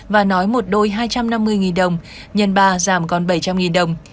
và nói một đôi hai trăm năm mươi đồng nhân ba giảm còn bảy trăm linh đồng